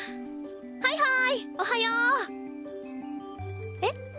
はいはいおはよう。えっ。